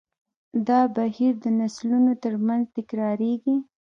دا بهیر د نسلونو تر منځ تکراریږي.